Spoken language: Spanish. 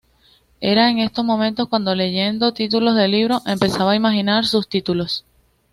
Era en esos momentos cuando leyendo títulos de libros empezaba a imaginar sus títulos.